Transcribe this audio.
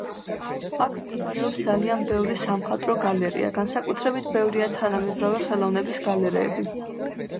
აქ მდებარეობს ძალიან ბევრი სამხატვრო გალერეა, განსაკუთრებით ბევრია თანამედროვე ხელოვნების გალერეები.